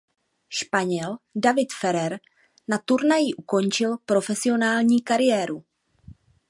Španěl David Ferrer na turnaji ukončil profesionální kariéru.